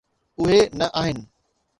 اهي نه آهن.